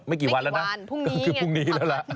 ไม่กี่วันพรุ่งนี้